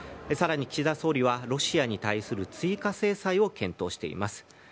更に岸田総理はロシアに対する追加制裁を検討しています。